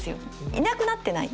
いなくなってない。